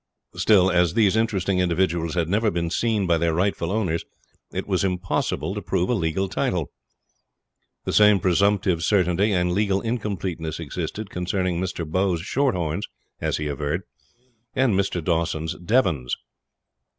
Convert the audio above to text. Still, as these interesting individuals had never been seen by their rightful owners, it was impossible to prove a legal title. The same presumptive certainty and legal incompleteness existed concerning Mr. Bowe's short horns (as he averred) and Mr. Dawson's Devons.